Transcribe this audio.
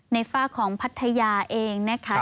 ในฝ้าของพัทยาเองนะครับ